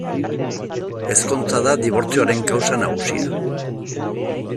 Ezkontza da dibortzioaren kausa nagusia.